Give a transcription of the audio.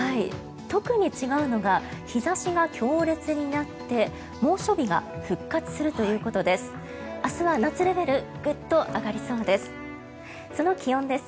特に違うのが日差しが強烈になって猛暑日が復活するということです。